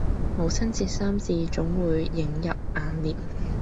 母親節三字總會映入眼廉